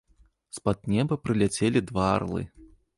З-пад неба прыляцелі два арлы.